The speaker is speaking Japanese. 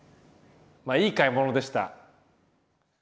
いい買い物でした。